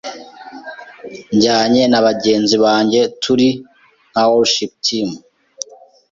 njyanye na bagenzi banjye turi nka worship team